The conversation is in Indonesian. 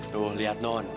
tuh lihat non